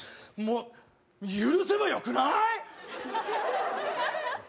許せばよくない？